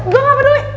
gue gak peduli